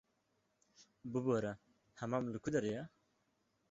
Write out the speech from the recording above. Bibore, hemam li ku derê ye?